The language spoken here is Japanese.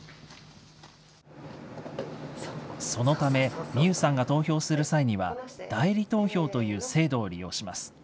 そのため、美優さんが投票する際には、代理投票という制度を利用します。